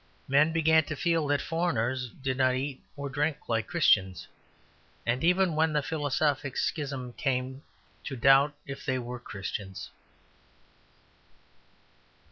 Men began to feel that foreigners did not eat or drink like Christians, and even, when the philosophic schism came, to doubt if they were Christians.